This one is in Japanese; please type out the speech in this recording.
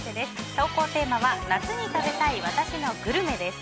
投稿テーマは夏に食べたい私のグルメです。